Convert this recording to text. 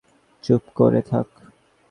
চুপ করে থাক!